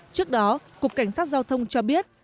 trước đó cục cảnh sát giao thông cho biết